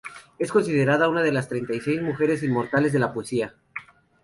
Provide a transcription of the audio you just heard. Es considerada una de las treinta y seis mujeres inmortales de la poesía.